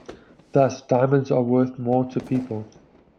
Thus, diamonds are worth more to people.